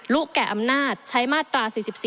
แก่อำนาจใช้มาตรา๔๔